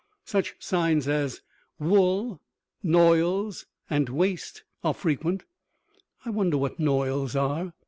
Such signs as WOOL, NOILS AND WASTE are frequent. I wonder what noils are?